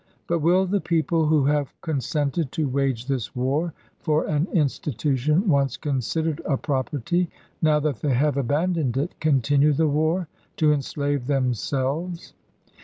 But will the people who have con sented to wage this war for an institution once considered a property, now that they have aban doned it, continue the war to enslave themselves